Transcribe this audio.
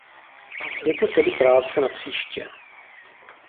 Je to tedy práce na příště.